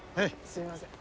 すいません。